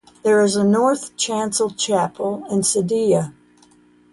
There is a north chancel chapel and sedilia.